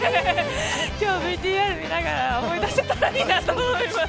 今日ＶＴＲ見ながら思い出せたらいいなと思います。